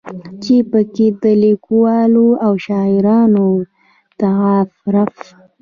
چې پکې د ليکوالو او شاعرانو تعارف